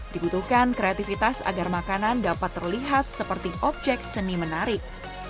dibutuhkan kreativitas agar makanan dapat terlihat seperti objek seni menarik